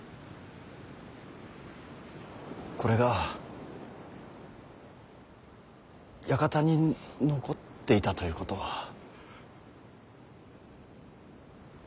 これが館に残っていたということは。